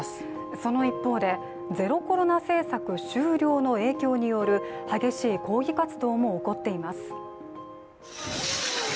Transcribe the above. その一方で、ゼロコロナ政策終了の影響による激しい抗議活動も起こっています。